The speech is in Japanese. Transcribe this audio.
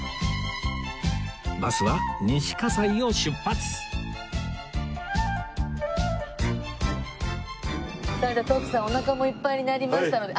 バスは西葛西を出発さあじゃあ徳さんおなかもいっぱいになりましたので。